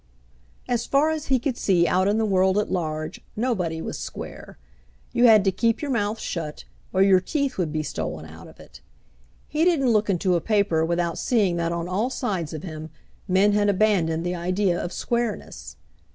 As far as he could see out in the world at large, nobody was square. You had to keep your mouth shut, or your teeth would be stolen out of it. He didn't look into a paper without seeing that on all sides of him men had abandoned the idea of squareness.